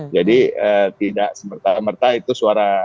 jadi tidak semerta merta itu suara